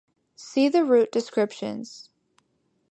See the route descriptions.